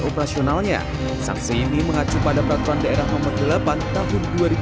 operasionalnya saksi ini mengacu pada peraturan daerah nomor delapan tahun